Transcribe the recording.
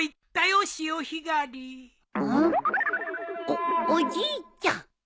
おっおじいちゃん。